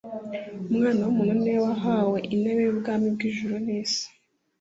"Umwana w'umuntu ni we wahawe intebe y'ubwami bw'ijuru n'isi.